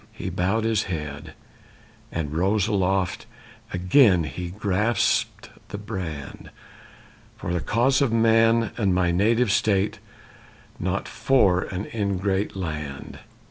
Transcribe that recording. He bowed his head, and he rose aloft; Again he grasped the brand, "For the cause of man and my native State, Not for an ingrate land!"